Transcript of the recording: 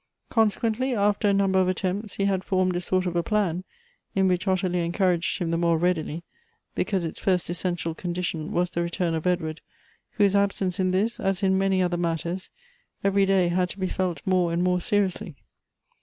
Consequently, after a number of attempts, he had formed a sort of a plan, in which Ottilie encouraged him the more readily, because its first essential condition was the return of Edward, whose .absence in this, as in many other matters, every day had to be felt more and more seriously.